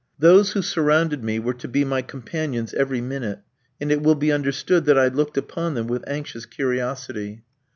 Those who surrounded me were to be my companions every minute, and it will be understood that I looked upon them with anxious curiosity.